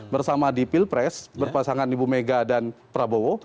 bersama di pilpres berpasangan ibu mega dan prabowo